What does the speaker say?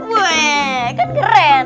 weh kan keren